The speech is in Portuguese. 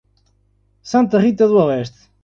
Santa Rita d'Oeste